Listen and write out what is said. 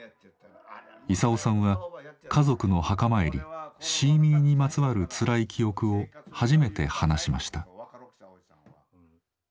勲さんは家族の墓参りシーミーにまつわるつらい記憶を初めて話しました。